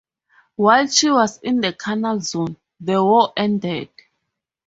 While she was in the Canal Zone, the war ended.